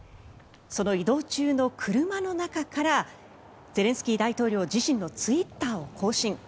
その移動中の車の中からゼレンスキー大統領自身のツイッターを更新。